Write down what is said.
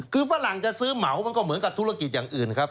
คือฝรั่งจะซื้อเหมามันก็เหมือนกับธุรกิจอย่างอื่นครับ